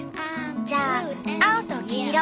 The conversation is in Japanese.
じゃあ青と黄色。